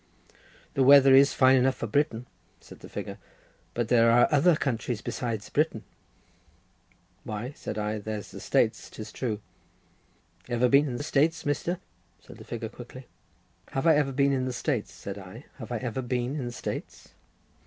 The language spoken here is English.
"The weather is fine enough for Britain," said the figure, "but there are other countries besides Britain." "Why," said I, "there's the States, 'tis true." "Ever been in the States, Mr.?" said the figure quickly. "Have I ever been in the States," said I, "have I ever been in the States?"